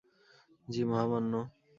জ্বি, মহামান্য!